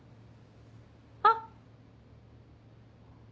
あっ！